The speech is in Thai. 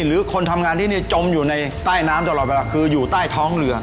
หรือคนทำงานที่นี่จมอยู่ในใต้น้ำตลอดเวลาคืออยู่ใต้ท้องเรือ